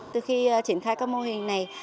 từ khi triển khai các mô hình này